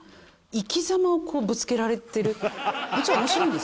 生き様をぶつけられてる。